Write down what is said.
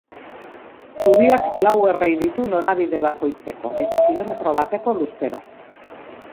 Zubiak lau errei ditu norabide bakoitzeko eta kilometro bateko luzera.